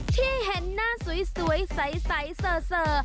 ที่เห็นหน้าสวยใสเซอร์